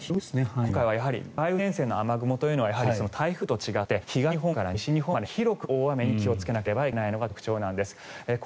今回は梅雨前線の雨雲というのは台風と違って東日本から西日本まで広く大雨に気をつけなければいけないのが特徴なんです。